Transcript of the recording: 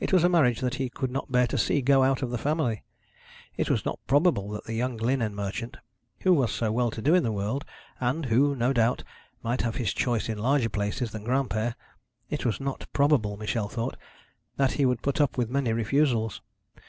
It was a marriage that he could not bear to see go out of the family. It was not probable that the young linen merchant, who was so well to do in the world, and who, no doubt, might have his choice in larger places than Granpere it was not probable, Michel thought, that he would put up with many refusals.